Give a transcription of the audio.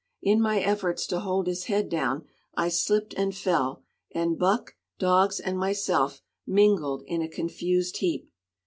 In my efforts to hold his head down I slipped and fell, and buck, dogs, and myself mingled in a confused heap.